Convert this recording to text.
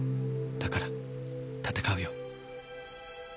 だから闘うよ。